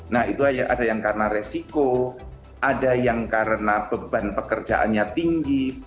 nah itu ada yang karena resiko ada yang karena beban pekerjaannya tinggi